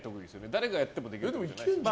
誰がやってもできるとかじゃないですよね。